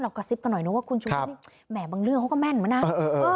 เรากระซิบกันหน่อยนะว่าคุณชูวิทย์แหมบางเรื่องเขาก็แม่นมาน่ะเออเออเออ